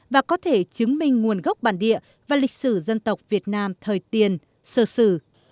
và có thể chứng minh nguồn gốc bản địa và lịch sử dân tộc việt nam thời tiền sơ sử